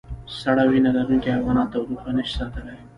سړه وینه لرونکي حیوانات تودوخه نشي ساتلی